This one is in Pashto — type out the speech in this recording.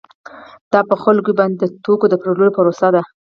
دا په خلکو باندې د توکو د پلورلو پروسه ده